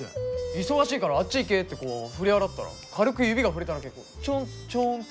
忙しいからあっち行けってこう振り払ったら軽く指が触れただけでこうちょんちょんって。